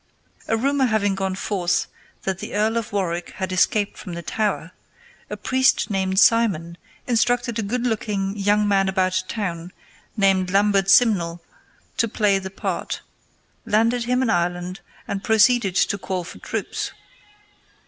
A rumor having gone forth that the Earl of Warwick had escaped from the Tower, a priest named Simon instructed a good looking young man about town named Lambert Simnel to play the part, landed him in Ireland, and proceeded to call for troops.